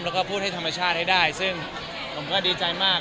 แล้วก็พูดให้ธรรมชาติให้ได้ซึ่งผมก็ดีใจมาก